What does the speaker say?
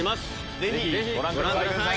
ぜひご覧ください。